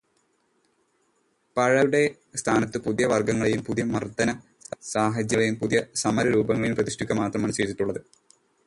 പഴയവയുടെ സ്ഥാനത്തു് പുതിയ വർഗങ്ങളേയും പുതിയ മർദ്ദനസാഹചര്യങ്ങളേയും പുതിയ സമരരൂപങ്ങളേയും പ്രതിഷ്ഠിക്കുക മാത്രമാണു ചെയ്തിട്ടുള്ളതു്.